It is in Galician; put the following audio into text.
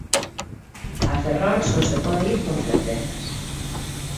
A Ferrol só se pode ir con certezas.